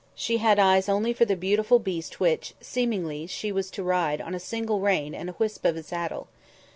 She had eyes only for the beautiful beast which, seemingly, she was to ride on a single rein and a wisp of a saddle.